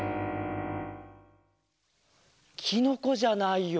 きのこじゃないよ。